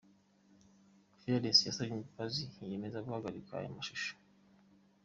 Fearless yasabye imbabazi, yiyemeza guhagarika aya mashusho.